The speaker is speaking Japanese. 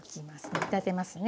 煮立てますね。